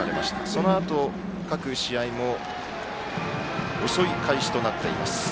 そのあと各試合も遅い開始となっています。